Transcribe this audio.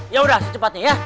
ya udah secepatnya ya